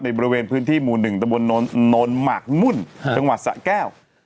บริเวณพื้นที่หมู่๑ตะบนโนนหมากมุ่นจังหวัดสะแก้ว